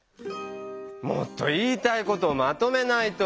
もっと言いたいことまとめないと。